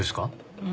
うん。